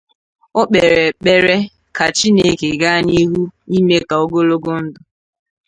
o kpèrè ekpere ka Chineke gaa n'ihu ime ka ogologo ndụ